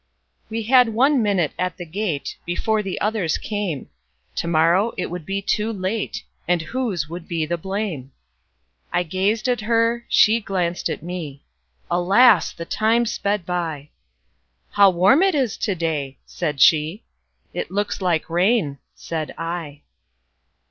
We had one minute at the gate, Before the others came; To morrow it would be too late, And whose would be the blame!I gazed at her, she glanced at me; Alas! the time sped by:"How warm it is to day!" said she;"It looks like rain," said I.